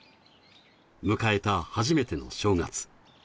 迎えた初めての正月。